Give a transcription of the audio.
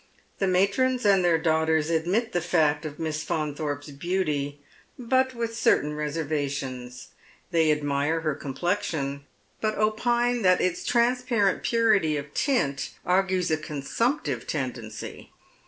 The matrons and their daugiiters admit the fact of Miss Faun thorpe's beauty, but with certain reservations. They admire her complexion, but opine that its transparent purity of tint argues a consumptive tendency.